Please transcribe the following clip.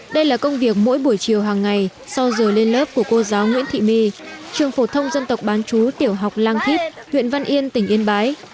đây là công việc mỗi buổi chiều hàng ngày sau giờ lên lớp của cô giáo nguyễn thị my trường phổ thông dân tộc bán chú tiểu học lang thíp huyện văn yên tỉnh yên bái